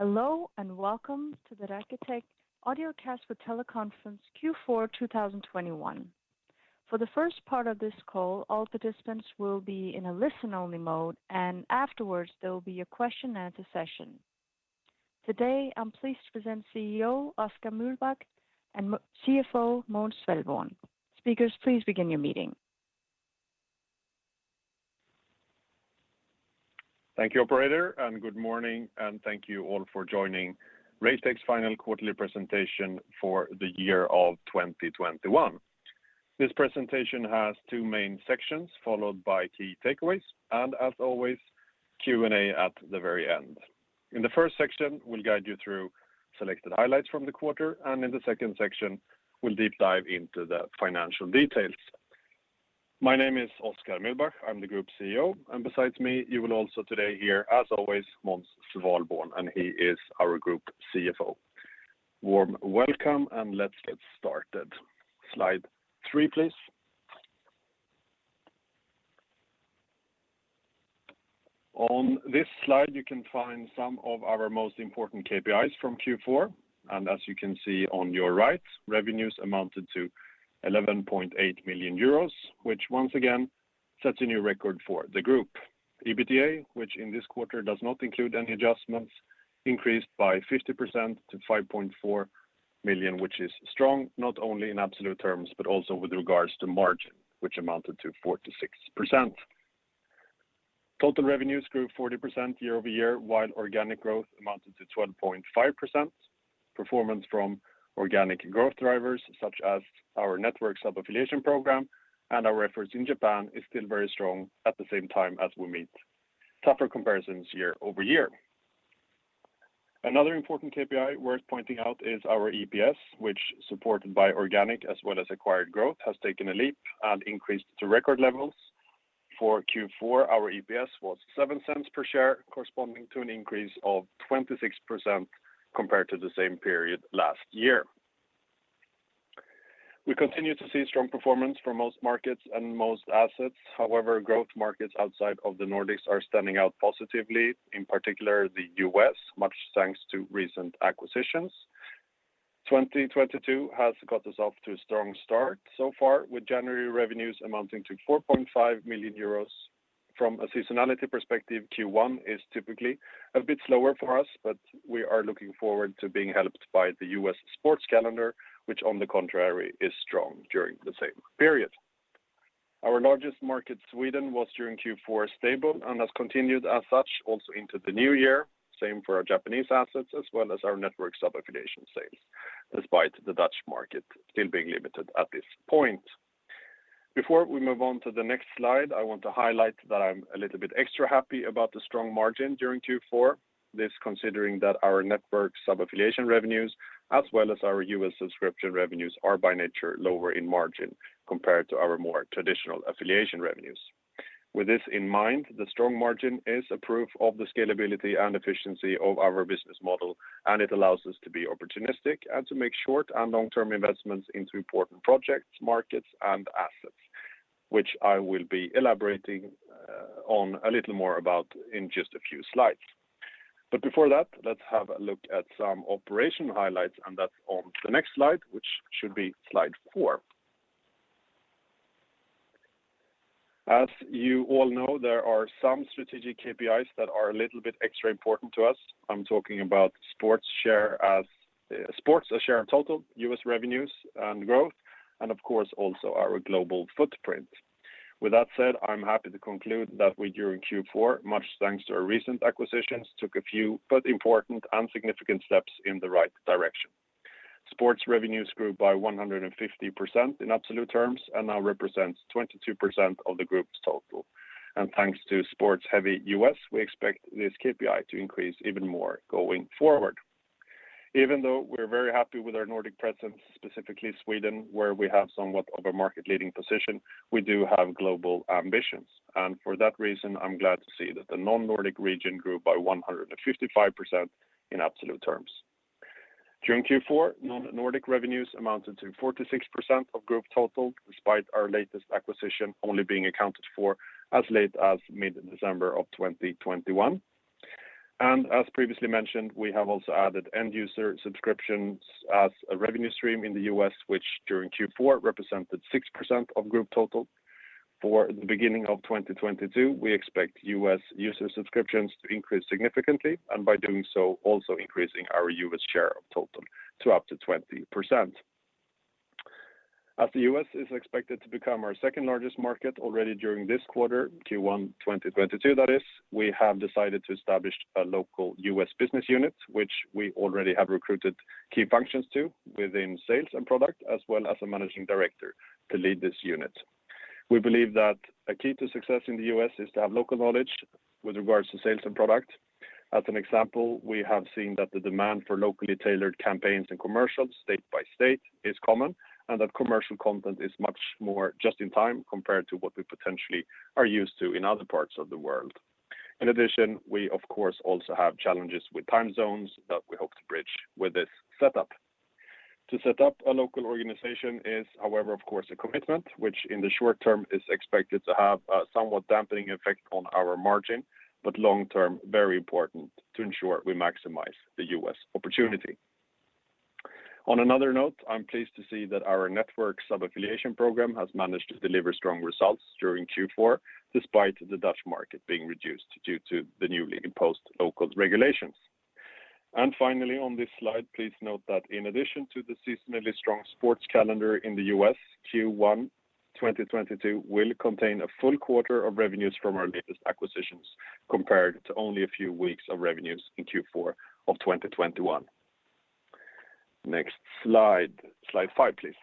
Hello, and welcome to the Raketech Audiocast for Teleconference Q4 2021. For the first part of this call, all participants will be in a listen-only mode, and afterwards, there will be a question and answer session. Today, I'm pleased to present CEO Oskar Mühlbach and CFO Måns Svalborn. Speakers, please begin your meeting. Thank you, operator, and good morning, and thank you all for joining Raketech's final quarterly presentation for the year of 2021. This presentation has two main sections followed by key takeaways and as always, Q&A at the very end. In the first section, we'll guide you through selected highlights from the quarter, and in the second section, we'll deep dive into the financial details. My name is Oskar Mühlbach, I'm the Group CEO, and besides me, you will also today hear, as always, Måns Svalborn, and he is our Group CFO. Warm welcome, and let's get started. Slide three please. On this slide, you can find some of our most important KPIs from Q4. As you can see on your right, revenues amounted to 11.8 million euros, which once again sets a new record for the group. EBITDA, which in this quarter does not include any adjustments, increased by 50% to 5.4 million, which is strong, not only in absolute terms, but also with regards to margin, which amounted to 46%. Total revenues grew 40% year-over-year, while organic growth amounted to 12.5%. Performance from organic growth drivers such as our network sub-affiliation program and our efforts in Japan is still very strong at the same time as we meet tougher comparisons year-over-year. Another important KPI worth pointing out is our EPS, which, supported by organic as well as acquired growth, has taken a leap and increased to record levels. For Q4, our EPS was 0.07 per share, corresponding to an increase of 26% compared to the same period last year. We continue to see strong performance for most markets and most assets. However, growth markets outside of the Nordics are standing out positively, in particular the U.S., much thanks to recent acquisitions. 2022 has got us off to a strong start so far, with January revenues amounting to 4.5 million euros. From a seasonality perspective, Q1 is typically a bit slower for us, but we are looking forward to being helped by the U.S. sports calendar, which on the contrary, is strong during the same period. Our largest market, Sweden, was during Q4 stable and has continued as such also into the new year. Same for our Japanese assets as well as our network sub-affiliation sales, despite the Dutch market still being limited at this point. Before we move on to the next slide, I want to highlight that I'm a little bit extra happy about the strong margin during Q4. This, considering that our network sub-affiliation revenues, as well as our U.S. subscription revenues, are by nature lower in margin compared to our more traditional affiliation revenues. With this in mind, the strong margin is a proof of the scalability and efficiency of our business model, and it allows us to be opportunistic and to make short and long-term investments into important projects, markets, and assets, which I will be elaborating on a little more about in just a few slides. Before that, let's have a look at some operational highlights, and that's on the next slide, which should be slide four. As you all know, there are some strategic KPIs that are a little bit extra important to us. I'm talking about sports as share of total, U.S. revenues and growth, and of course, also our global footprint. With that said, I'm happy to conclude that we, during Q4, much thanks to our recent acquisitions, took a few but important and significant steps in the right direction. Sports revenues grew by 150% in absolute terms and now represents 22% of the group's total. Thanks to sports-heavy U.S., we expect this KPI to increase even more going forward. Even though we're very happy with our Nordic presence, specifically Sweden, where we have somewhat of a market-leading position, we do have global ambitions. For that reason, I'm glad to see that the non-Nordic region grew by 155% in absolute terms. During Q4, non-Nordic revenues amounted to 46% of group total, despite our latest acquisition only being accounted for as late as mid-December of 2021. As previously mentioned, we have also added end user subscriptions as a revenue stream in the U.S., which during Q4 represented 6% of group total. For the beginning of 2022, we expect U.S. user subscriptions to increase significantly, and by doing so, also increasing our U.S. share of total to up to 20%. As the U.S. is expected to become our second-largest market already during this quarter, Q1 2022 that is, we have decided to establish a local U.S. business unit, which we already have recruited key functions to within sales and product, as well as a managing director to lead this unit. We believe that a key to success in the U.S. is to have local knowledge with regards to sales and product. As an example, we have seen that the demand for locally tailored campaigns and commercials state by state is common and that commercial content is much more just in time compared to what we potentially are used to in other parts of the world. In addition, we, of course, also have challenges with time zones that we hope to bridge with this setup. To set up a local organization is however of course a commitment, which in the short term is expected to have a somewhat dampening effect on our margin, but long-term, very important to ensure we maximize the U.S. opportunity. On another note, I'm pleased to see that our network sub-affiliation program has managed to deliver strong results during Q4 despite the Dutch market being reduced due to the newly imposed local regulations. Finally on this slide, please note that in addition to the seasonally strong sports calendar in the U.S., Q1 2022 will contain a full quarter of revenues from our latest acquisitions compared to only a few weeks of revenues in Q4 of 2021. Next slide. Slide five, please.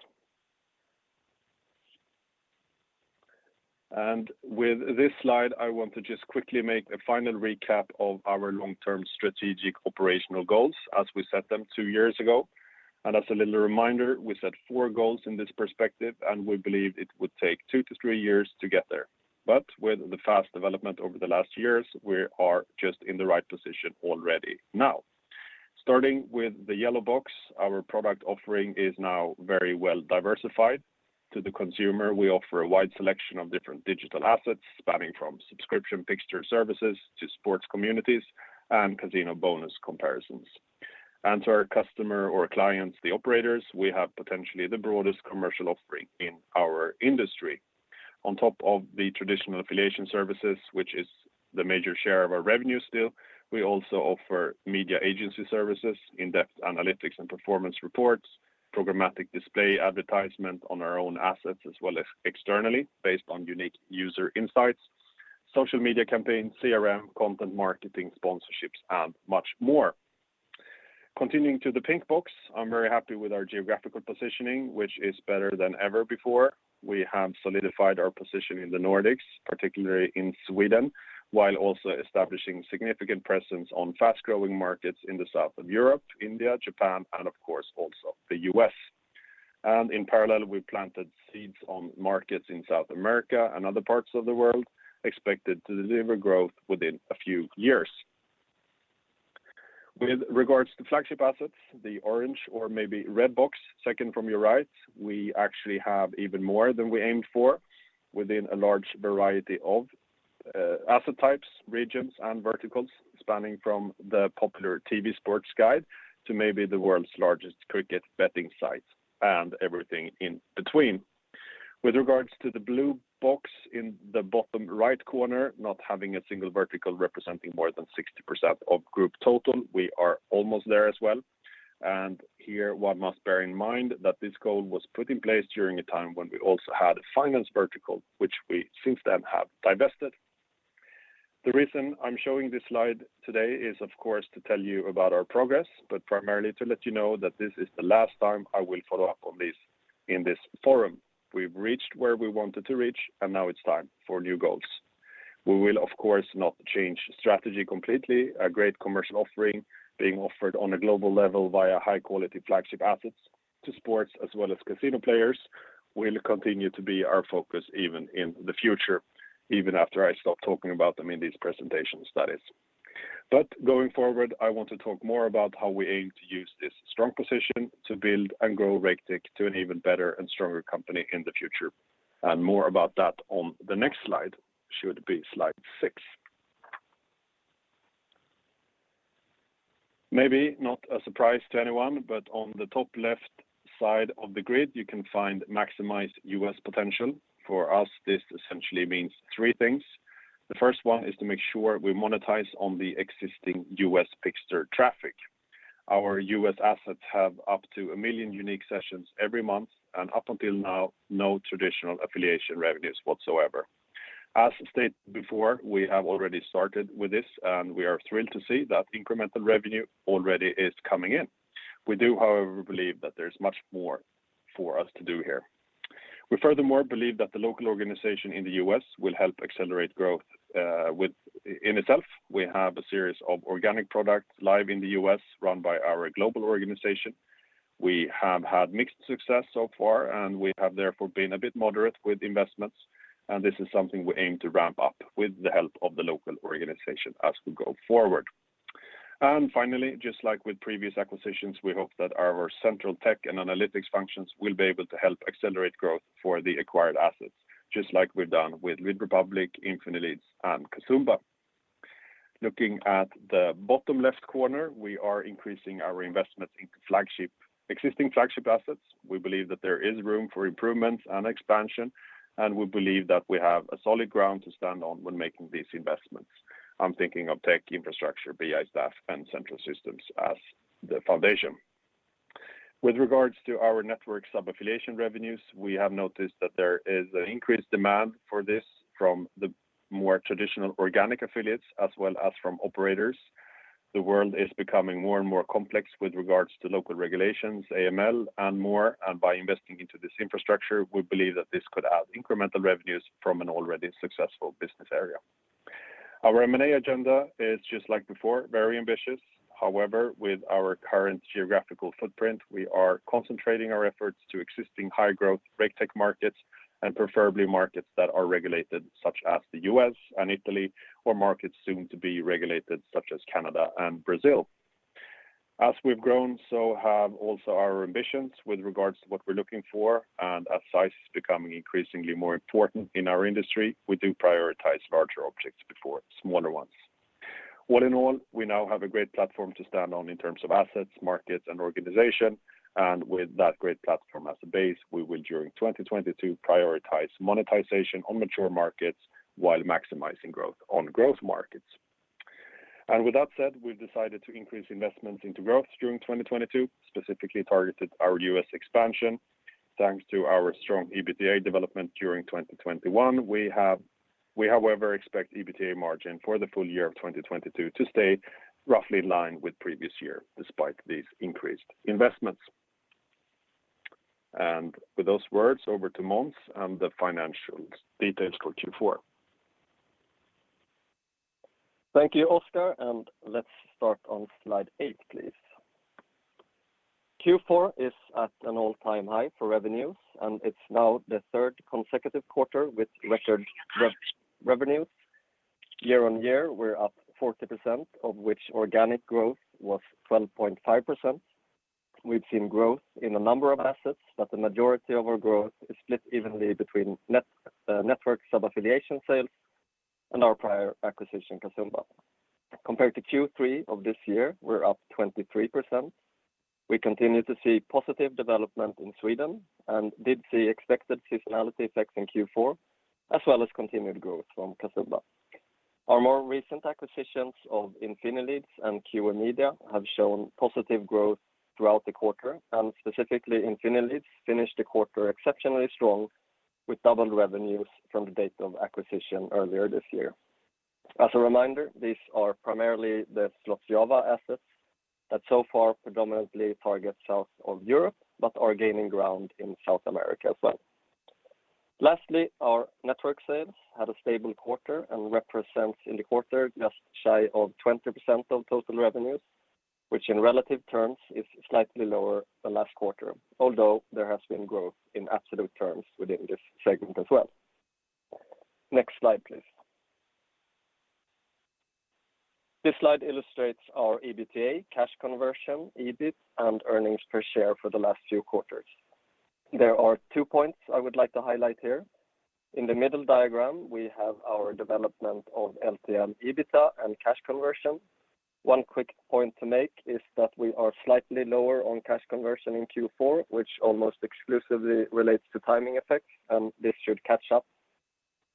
With this slide, I want to just quickly make a final recap of our long-term strategic operational goals as we set them two years ago. As a little reminder, we set four goals in this perspective, and we believed it would take two to three years to get there. With the fast development over the last years, we are just in the right position already now. Starting with the yellow box, our product offering is now very well diversified. To the consumer, we offer a wide selection of different digital assets spanning from subscription fixture services to sports communities and casino bonus comparisons. To our customer or clients, the operators, we have potentially the broadest commercial offering in our industry. On top of the traditional affiliation services, which is the major share of our revenue still, we also offer media agency services, in-depth analytics and performance reports, programmatic display advertisement on our own assets as well as externally based on unique user insights, social media campaigns, CRM, content marketing, sponsorships, and much more. Continuing to the pink box, I'm very happy with our geographical positioning, which is better than ever before. We have solidified our position in the Nordics, particularly in Sweden, while also establishing significant presence on fast-growing markets in the south of Europe, India, Japan, and of course, also the U.S. In parallel, we planted seeds on markets in South America and other parts of the world expected to deliver growth within a few years. With regards to flagship assets, the orange or maybe red box, second from your right, we actually have even more than we aimed for within a large variety of asset types, regions, and verticals spanning from the popular TV sports guide to maybe the world's largest cricket betting site and everything in between. With regards to the blue box in the bottom right corner, not having a single vertical representing more than 60% of group total, we are almost there as well. Here, one must bear in mind that this goal was put in place during a time when we also had a finance vertical, which we since then have divested. The reason I'm showing this slide today is of course to tell you about our progress, but primarily to let you know that this is the last time I will follow up on this in this forum. We've reached where we wanted to reach, and now it's time for new goals. We will, of course, not change strategy completely. A great commercial offering being offered on a global level via high-quality flagship assets to sports as well as casino players will continue to be our focus even in the future, even after I stop talking about them in these presentations, that is. Going forward, I want to talk more about how we aim to use this strong position to build and grow Raketech to an even better and stronger company in the future. More about that on the next slide. Should be slide six. Maybe not a surprise to anyone, but on the top left side of the grid, you can find maximize U.S. potential. For us, this essentially means three things. The first one is to make sure we monetize on the existing U.S. fixture traffic. Our U.S. assets have up to 1 million unique sessions every month, and up until now, no traditional affiliation revenues whatsoever. As stated before, we have already started with this, and we are thrilled to see that incremental revenue already is coming in. We do, however, believe that there's much more for us to do here. We furthermore believe that the local organization in the U.S. will help accelerate growth in itself. We have a series of organic products live in the U.S. run by our global organization. We have had mixed success so far, and we have therefore been a bit moderate with investments, and this is something we aim to ramp up with the help of the local organization as we go forward. Finally, just like with previous acquisitions, we hope that our central tech and analytics functions will be able to help accelerate growth for the acquired assets, just like we've done with Lead Republik, Infinileads, and Casumba. Looking at the bottom left corner, we are increasing our investments into existing flagship assets. We believe that there is room for improvement and expansion, and we believe that we have a solid ground to stand on when making these investments. I'm thinking of tech infrastructure, BI staff, and central systems as the foundation. With regards to our network sub-affiliation revenues, we have noticed that there is an increased demand for this from the more traditional organic affiliates as well as from operators. The world is becoming more and more complex with regards to local regulations, AML, and more, and by investing into this infrastructure, we believe that this could add incremental revenues from an already successful business area. Our M&A agenda is just like before, very ambitious. However, with our current geographical footprint, we are concentrating our efforts to existing high-growth iGaming markets and preferably markets that are regulated, such as the U.S. and Italy, or markets soon to be regulated, such as Canada and Brazil. As we've grown, so have also our ambitions with regards to what we're looking for, and as size is becoming increasingly more important in our industry, we do prioritize larger objects before smaller ones. All in all, we now have a great platform to stand on in terms of assets, markets, and organization. With that great platform as a base, we will, during 2022, prioritize monetization on mature markets while maximizing growth on growth markets. With that said, we've decided to increase investments into growth during 2022, specifically targeted our U.S. expansion. Thanks to our strong EBITDA development during 2021, we, however, expect EBITDA margin for the full year of 2022 to stay roughly in line with previous year despite these increased investments. With those words, over to Måns and the financial details for Q4. Thank you, Oskar, and let's start on slide eight, please. Q4 is at an all-time high for revenues, and it's now the third consecutive quarter with record revenues. Year-on-year, we're up 40%, of which organic growth was 12.5%. We've seen growth in a number of assets, but the majority of our growth is split evenly between network sub-affiliation sales and our prior acquisition, Casumba. Compared to Q3 of this year, we're up 23%. We continue to see positive development in Sweden and did see expected seasonality effects in Q4, as well as continued growth from Casumba. Our more recent acquisitions of Infinileads and QM Media have shown positive growth throughout the quarter, and specifically Infinileads finished the quarter exceptionally strong with doubled revenues from the date of acquisition earlier this year. As a reminder, these are primarily the Slotjava assets that so far predominantly target south of Europe, but are gaining ground in South America as well. Lastly, our network sales had a stable quarter and represents in the quarter just shy of 20% of total revenues, which in relative terms is slightly lower than last quarter, although there has been growth in absolute terms within this segment as well. Next slide, please. This slide illustrates our EBITDA, cash conversion, EBIT, and earnings per share for the last few quarters. There are two points I would like to highlight here. In the middle diagram, we have our development of LTM, EBITA, and cash conversion. One quick point to make is that we are slightly lower on cash conversion in Q4, which almost exclusively relates to timing effects, and this should catch up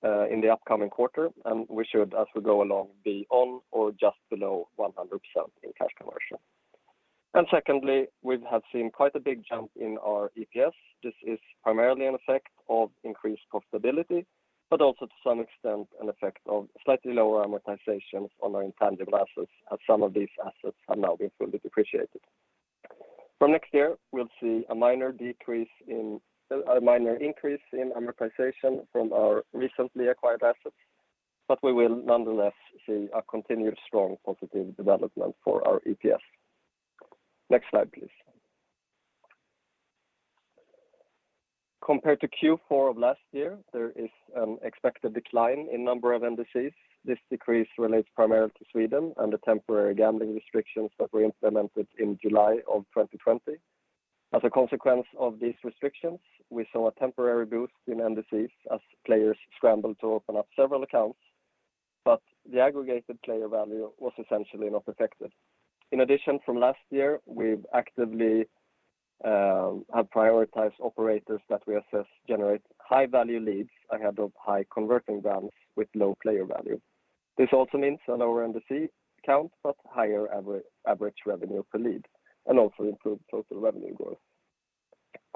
in the upcoming quarter, and we should, as we go along, be on or just below 100% in cash conversion. Secondly, we have seen quite a big jump in our EPS. This is primarily an effect of increased profitability, but also to some extent an effect of slightly lower amortizations on our intangible assets, as some of these assets are now being fully depreciated. From next year, we'll see a minor increase in amortization from our recently acquired assets, but we will nonetheless see a continued strong positive development for our EPS. Next slide, please. Compared to Q4 of last year, there is an expected decline in number of NDCs. This decrease relates primarily to Sweden and the temporary gambling restrictions that were implemented in July of 2020. As a consequence of these restrictions, we saw a temporary boost in NDCs as players scrambled to open up several accounts, but the aggregated player value was essentially not affected. In addition, from last year, we've actively prioritized operators that we assess generate high-value leads ahead of high-converting volumes with low player value. This also means a lower NDC count, but higher average revenue per lead and also improved total revenue growth.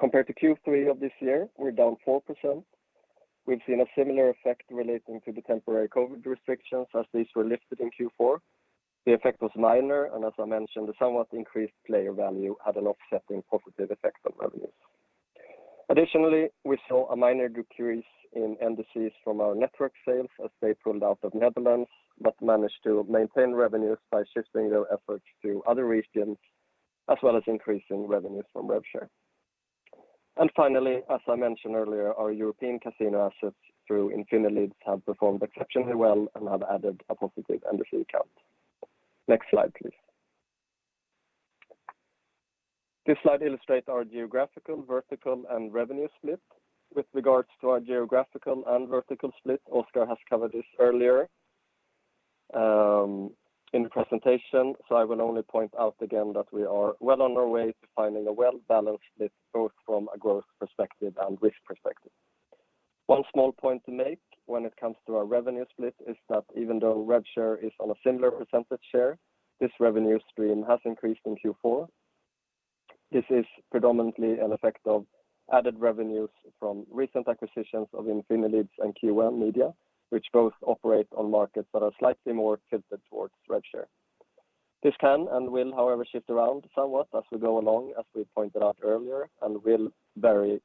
Compared to Q3 of this year, we're down 4%. We've seen a similar effect relating to the temporary COVID restrictions as these were lifted in Q4. The effect was minor, and as I mentioned, the somewhat increased player value had an offsetting positive effect on revenues. Additionally, we saw a minor decrease in NDCs from our network sales as they pulled out of Netherlands, but managed to maintain revenues by shifting their efforts to other regions, as well as increasing revenues from rev share. Finally, as I mentioned earlier, our European casino assets through Infinileads have performed exceptionally well and have added a positive NDC count. Next slide, please. This slide illustrates our geographical, vertical, and revenue split. With regards to our geographical and vertical split, Oskar has covered this earlier, in the presentation, so I will only point out again that we are well on our way to finding a well-balanced split both from a growth perspective and risk perspective. One small point to make when it comes to our revenue split is that even though rev share is on a similar percentage share, this revenue stream has increased in Q4. This is predominantly an effect of added revenues from recent acquisitions of Infinileads and QM Media, which both operate on markets that are slightly more tilted towards rev share. This can and will, however, shift around somewhat as we go along, as we pointed out earlier, and will vary,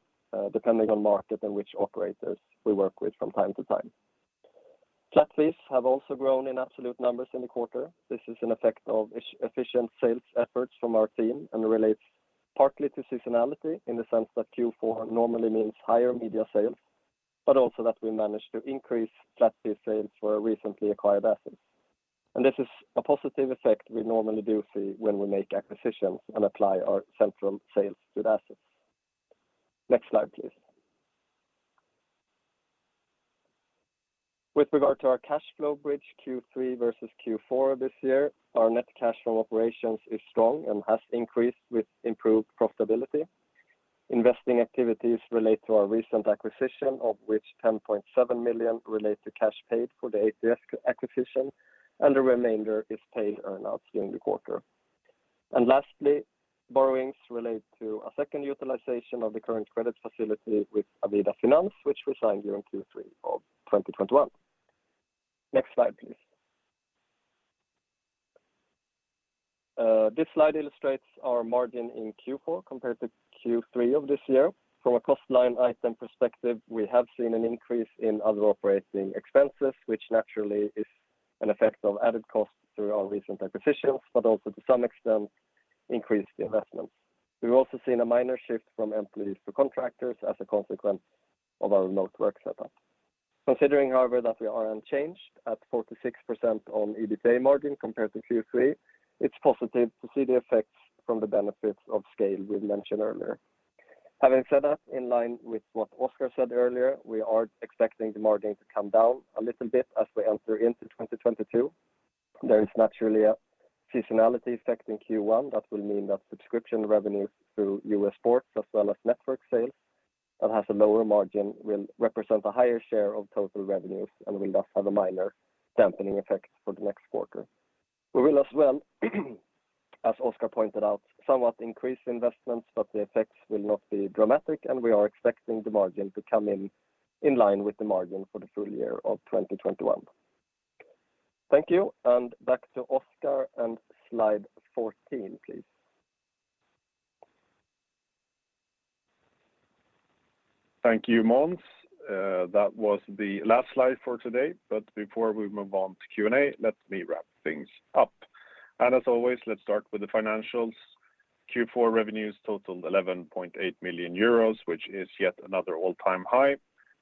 depending on market and which operators we work with from time to time. Flat fees have also grown in absolute numbers in the quarter. This is an effect of efficient sales efforts from our team and relates partly to seasonality in the sense that Q4 normally means higher media sales. But also that we managed to increase flat fee sales for our recently acquired assets. This is a positive effect we normally do see when we make acquisitions and apply our central sales to the assets. Next slide, please. With regard to our cash flow bridge Q3 versus Q4 this year, our net cash from operations is strong and has increased with improved profitability. Investing activities relate to our recent acquisition, of which 10.7 million relate to cash paid for the ATS acquisition, and the remainder is paid earn-outs during the quarter. Lastly, borrowings relate to a second utilization of the current credit facility with Avida Finans, which we signed during Q3 of 2021. Next slide, please. This slide illustrates our margin in Q4 compared to Q3 of this year. From a cost line item perspective, we have seen an increase in other operating expenses, which naturally is an effect of added costs through our recent acquisitions, but also to some extent increased investments. We've also seen a minor shift from employees to contractors as a consequence of our remote work setup. Considering however that we are unchanged at 46% on EBITDA margin compared to Q3, it's positive to see the effects from the benefits of scale we mentioned earlier. Having said that, in line with what Oskar said earlier, we are expecting the margin to come down a little bit as we enter into 2022. There is naturally a seasonality effect in Q1 that will mean that subscription revenues through U.S. sports as well as network sales that has a lower margin will represent a higher share of total revenues and will thus have a minor dampening effect for the next quarter. We will as well, as Oskar pointed out, somewhat increase investments, but the effects will not be dramatic, and we are expecting the margin to come in line with the margin for the full year of 2021. Thank you, and back to Oskar and slide 14, please. Thank you, Måns. That was the last slide for today. Before we move on to Q&A, let me wrap things up. As always, let's start with the financials. Q4 revenues totaled 11.8 million euros, which is yet another all-time high.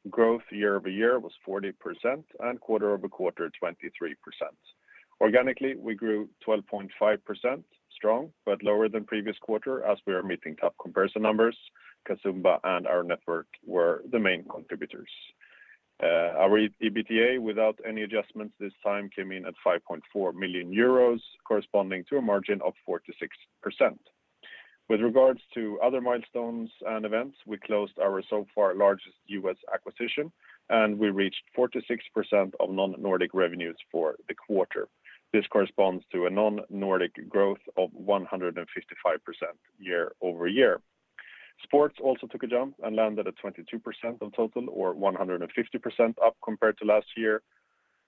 Growth year-over-year was 40% and quarter-over-quarter, 23%. Organically, we grew 12.5%, strong but lower than previous quarter as we are meeting tough comparison numbers. Casumba and our network were the main contributors. Our EBITDA without any adjustments this time came in at 5.4 million euros, corresponding to a margin of 46%. With regards to other milestones and events, we closed our so far largest U.S. acquisition, and we reached 46% of non-Nordic revenues for the quarter. This corresponds to a non-Nordic growth of 155% year-over-year. Sports also took a jump and landed at 22% of total or 150% up compared to last year.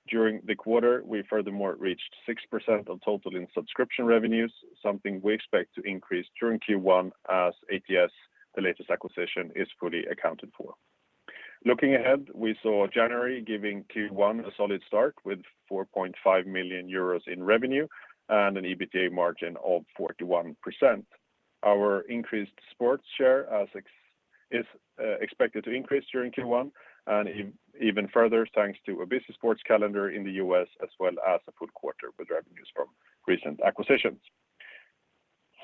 During the quarter, we furthermore reached 6% of total in subscription revenues, something we expect to increase during Q1 as ATS, the latest acquisition, is fully accounted for. Looking ahead, we saw January giving Q1 a solid start with 4.5 million euros in revenue and an EBITDA margin of 41%. Our increased sports share is expected to increase during Q1 and even further thanks to a busy sports calendar in the U.S. as well as a full quarter with revenues from recent acquisitions.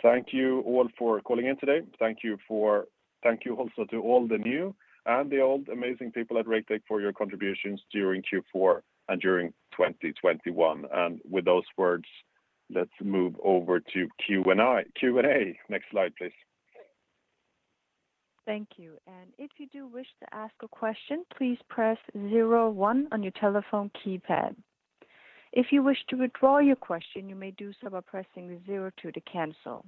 Thank you all for calling in today. Thank you also to all the new and the old amazing people at Raketech for your contributions during Q4 and during 2021. With those words, let's move over to Q&A. Next slide, please. Thank you. If you do wish to ask a question, "please press zero one" on your telephone keypad. If you wish to widraw your question, you may do so by pressing zero to the cancel.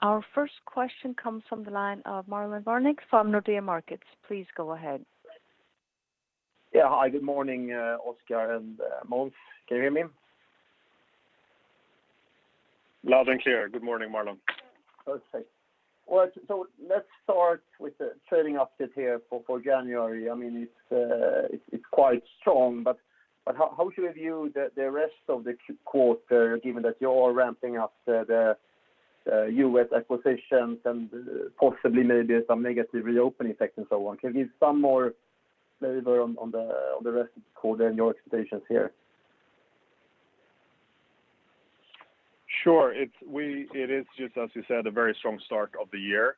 Our first question comes from the line of Marlon Värnik from Nordea Markets. Please go ahead. Yeah. Hi, good morning, Oskar and, Måns. Can you hear me? Loud and clear. Good morning, Marlon. Perfect. Well, let's start with the trading update here for January. I mean, it's quite strong, but how should we view the rest of the quarter given that you're ramping up the U.S. acquisitions and possibly maybe some negative reopening effects and so on? Can you give some more flavor on the rest of the quarter and your expectations here? Sure. It is just, as you said, a very strong start of the year.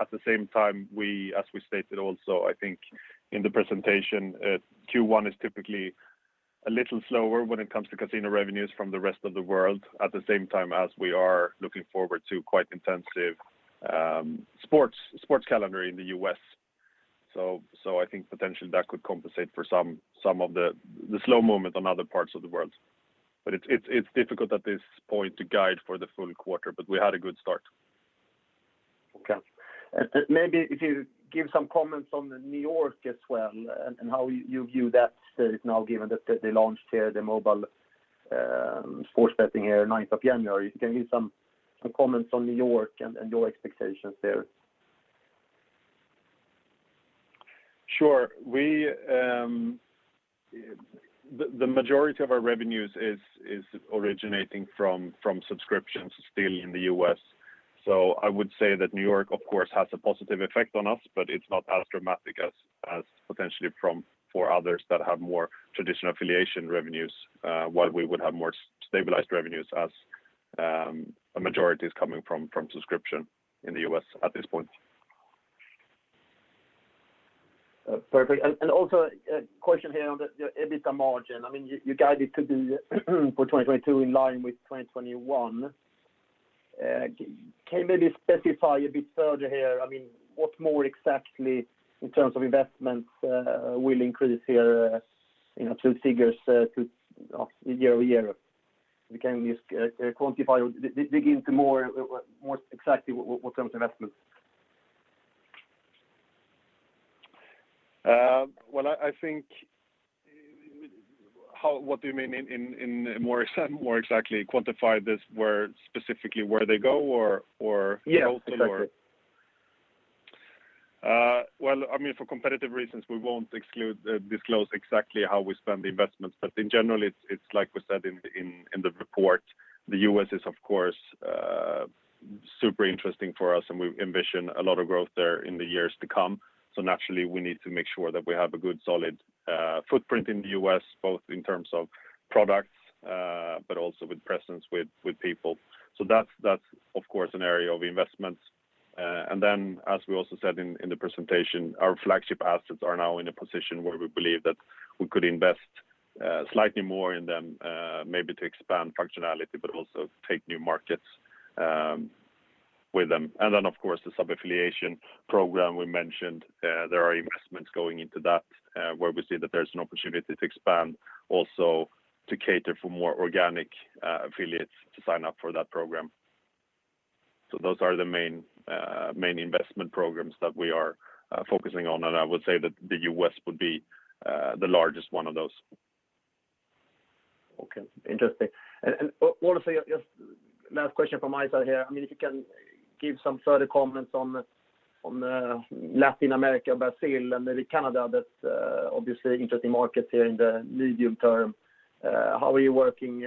At the same time, we, as we stated also, I think in the presentation, Q1 is typically a little slower when it comes to casino revenues from the rest of the world. At the same time as we are looking forward to quite intensive sports calendar in the U.S. I think potentially that could compensate for some of the slow moment on other parts of the world. It's difficult at this point to guide for the full quarter, but we had a good start. Okay. Maybe if you give some comments on New York as well and how you view that state now given that they launched here the mobile sports betting here ninth of January. Can you give some comments on New York and your expectations there? Sure. The majority of our revenues is originating from subscriptions still in the U.S. I would say that New York, of course, has a positive effect on us, but it's not as dramatic as potentially for others that have more traditional affiliate revenues, while we would have more stabilized revenues as a majority is coming from subscription in the U.S. at this point. Perfect. Also a question here on the EBITDA margin. I mean, you guided to be for 2022 in line with 2021. Can you maybe specify a bit further here? I mean, what more exactly in terms of investments will increase here, you know, two figures two year-over-year? Can you just quantify or dig into more, what more exactly what terms of investments? I think. What do you mean in more exactly? Quantify this, where specifically they go or. Yeah, exactly. in total or? Well, I mean, for competitive reasons, we won't disclose exactly how we spend the investments. In general, it's like we said in the report, the U.S. is, of course, super interesting for us, and we envision a lot of growth there in the years to come. Naturally, we need to make sure that we have a good, solid footprint in the U.S., both in terms of products, but also with presence with people. That's, of course, an area of investments. And then, as we also said in the presentation, our flagship assets are now in a position where we believe that we could invest slightly more in them, maybe to expand functionality, but also take new markets with them. Then, of course, the sub-affiliation program we mentioned, there are investments going into that, where we see that there's an opportunity to expand also to cater for more organic affiliates to sign up for that program. Those are the main investment programs that we are focusing on. I would say that the U.S. would be the largest one of those. Okay. Interesting. Also just last question from my side here. I mean, if you can give some further comments on Latin America, Brazil, and maybe Canada, that's obviously interesting markets here in the medium term. How are you working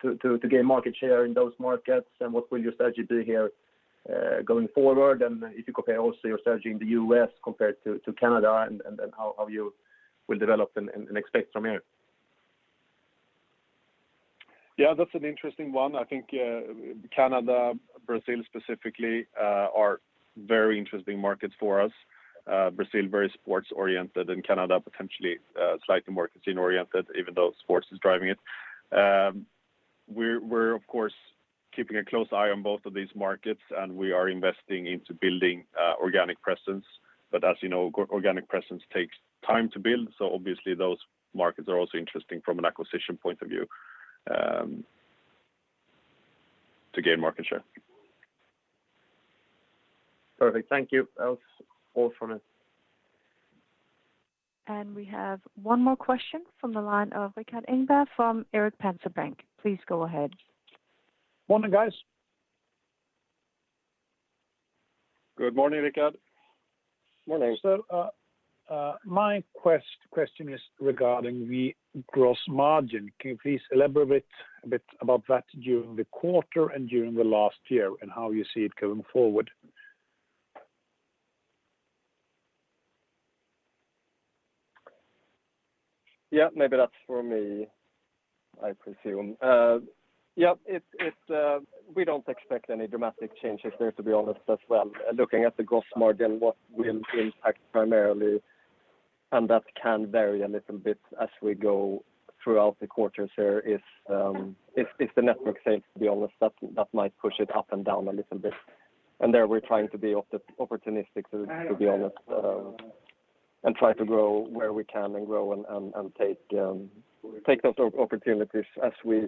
to gain market share in those markets? And what will your strategy be here going forward? And if you compare also your strategy in the U.S. compared to Canada and how you will develop and expect from here. Yeah, that's an interesting one. I think, Canada, Brazil specifically, are very interesting markets for us. Brazil, very sports-oriented, and Canada potentially, slightly more casino-oriented, even though sports is driving it. We're of course keeping a close eye on both of these markets, and we are investing into building organic presence. As you know, organic presence takes time to build. Obviously, those markets are also interesting from an acquisition point of view, to gain market share. Perfect. Thank you. That's all from me. We have one more question from the line of Rikard Engberg from Erik Penser Bank. Please go ahead. Morning, guys. Good morning, Rikard. Morning. My question is regarding the gross margin. Can you please elaborate a bit about that during the quarter and during the last year and how you see it going forward? Maybe that's for me, I presume. We don't expect any dramatic changes there, to be honest as well. Looking at the gross margin, what will impact primarily, and that can vary a little bit as we go throughout the quarters here is, if the network is safe, to be honest, that might push it up and down a little bit. There, we're trying to be opportunistic, to be honest, and try to grow where we can and take those opportunities as we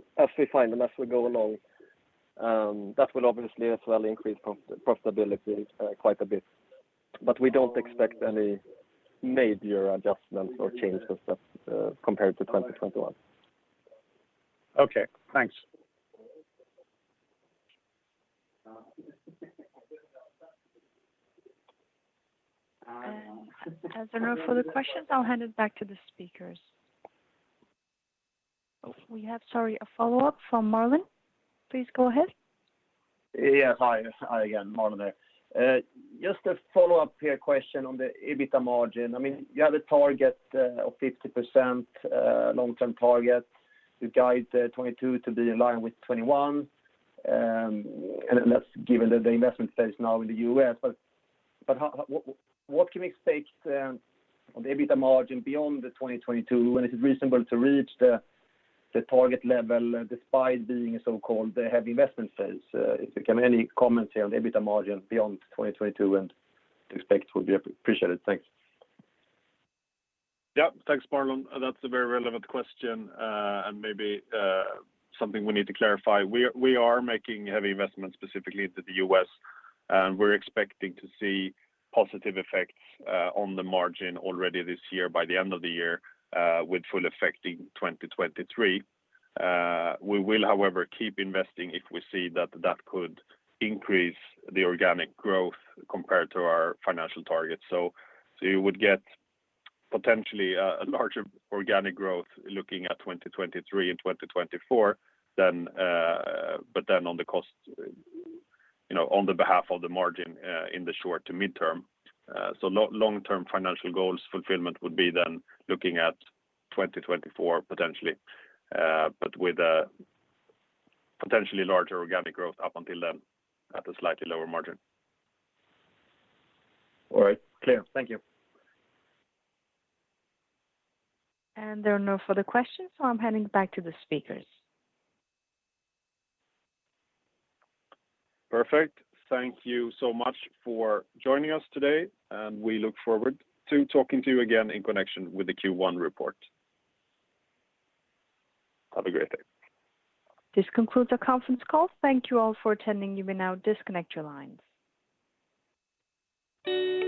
find them, as we go along. That will obviously as well increase profitability quite a bit. We don't expect any major adjustments or changes that compared to 2021. Okay, thanks. As there are no further questions, I'll hand it back to the speakers. We have, sorry, a follow-up from Marlon. Please go ahead. Hi. Hi again. Marlon here. Just a follow-up question here on the EBITDA margin. I mean, you have a target of 50%, long-term target. You guide 2022 to be in line with 2021. That's given that the investment phase now in the U.S. What can we expect on the EBITDA margin beyond 2022? And is it reasonable to reach the target level despite being a so-called heavy investment phase? If you can, any comments here on the EBITDA margin beyond 2022 and expectations would be appreciated. Thanks. Thanks, Marlon. That's a very relevant question, and maybe something we need to clarify. We are making heavy investments, specifically into the U.S., and we're expecting to see positive effects on the margin already this year by the end of the year, with full effect in 2023. We will, however, keep investing if we see that could increase the organic growth compared to our financial targets. You would get potentially a larger organic growth looking at 2023 and 2024 than, but then at the cost, you know, of the margin, in the short- to mid-term. Long-term financial goals fulfillment would be then looking at 2024 potentially, but with a potentially larger organic growth up until then at a slightly lower margin. All right. Clear. Thank you. There are no further questions, so I'm handing it back to the speakers. Perfect. Thank you so much for joining us today, and we look forward to talking to you again in connection with the Q1 report. Have a great day. This concludes our conference call. Thank you all for attending. You may now disconnect your lines.